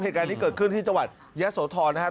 เหตุการณ์นี้เกิดขึ้นที่จังหวัดยะโสธรนะครับ